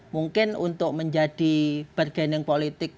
mungkin untuk menjadi bergening politik